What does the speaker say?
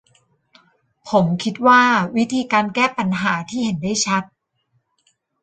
ผมคิดว่าวิธีการแก้ปัญหาที่เห็นได้ชัด